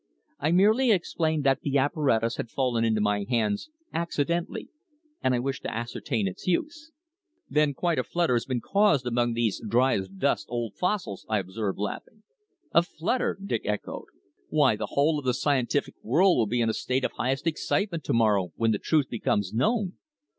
I merely explained that the apparatus had fallen into my hands accidentally and I wished to ascertain its use." "Then quite a flutter has been caused among these dry as dust old fossils," I observed, laughing. "A flutter!" Dick echoed. "Why, the whole of the scientific world will be in a state of highest excitement to morrow when the truth becomes known.